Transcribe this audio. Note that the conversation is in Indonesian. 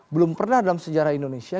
belum pernah dalam sejarah indonesia